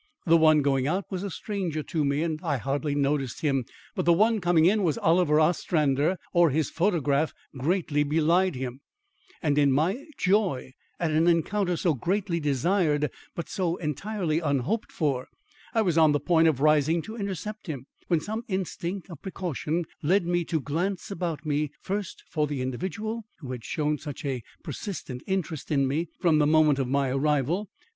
The one going out was a stranger to me and I hardly noticed him, but the one coming in was Oliver Ostrander (or his photograph greatly belied him), and in my joy at an encounter so greatly desired but so entirely unhoped for, I was on the point of rising to intercept him, when some instinct of precaution led me to glance about me first for the individual who had shown such a persistent interest in me from the moment of my arrival.